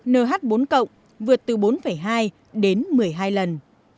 nh bốn cộng vượt từ bốn hai đến một mươi hai lần